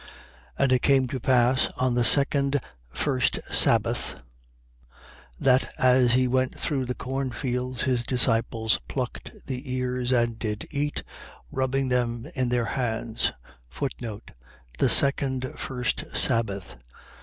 6:1. And it came to pass on the second first sabbath that, as he went through the corn fields, his disciples plucked the ears and did eat, rubbing them in their hands. The second first sabbath.